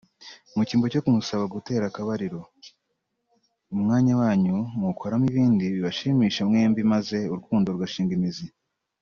Mu cyimbo cyo kumusaba gutera akabariro umwanya wanyu muwukoramo ibindi bibashimisha mwembi maze urukundo rugashinga imizi